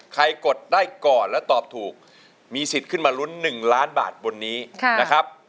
กดได้ก่อนและตอบถูกมีสิทธิ์ขึ้นมาลุ้น๑ล้านบาทบนนี้นะครับ